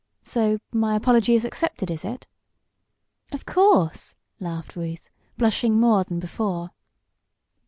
So my apology is accepted; is it?" "Of course," laughed Ruth, blushing more than before.